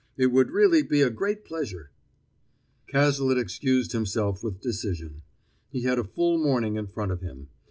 It would really be a great pleasure." Cazalet excused himself with decision. He had a full morning in front of him.